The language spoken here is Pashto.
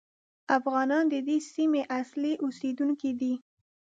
افغانان د دې سیمې اصلي اوسېدونکي دي.